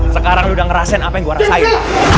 sekarang lu udah ngerasain apa yang gua rasain